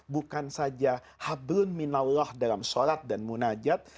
bukan saja hablun minallah dalam sholat dan munajat